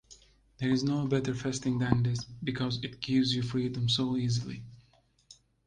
There is no better fasting than this because it gives you freedom so easily.